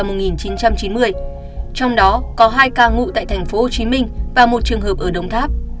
trong đó có hai ca ngụ tại tp hcm và một trường hợp ở đồng tháp